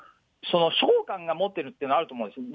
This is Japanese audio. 将官が持ってるっていうのはあると思うんですよ。